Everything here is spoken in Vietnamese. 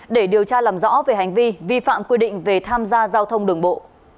để điều tra làm rõ về hành vi vi phạm quy định về tham gia giao thông đường bộ